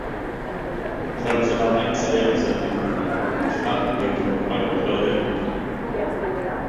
Itzaltze lanak zailak izaten ari dira, bertan gai kimikoak baitaude bilduta.